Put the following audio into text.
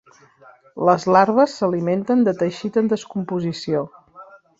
Les larves s'alimenten de teixit en descomposició.